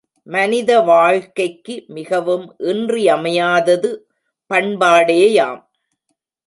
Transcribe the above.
மனித வாழ்க்கைக்கு மிகவும் இன்றியமையாதது பண்பாடேயாம்.